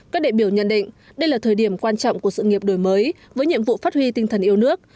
các đại biểu nhận định đây là thời điểm quan trọng của sự nghiệp đổi mới với nhiệm vụ phát huy tinh thần yêu nước